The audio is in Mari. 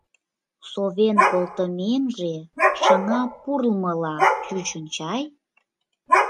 — Совен колтымемже шыҥа пурлмыла чучын чай?